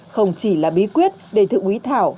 không chỉ là bí quyết để thượng quý thảo